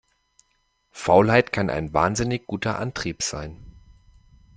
Faulheit kann ein wahnsinnig guter Antrieb sein.